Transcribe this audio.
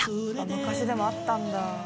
昔でもあったんだ。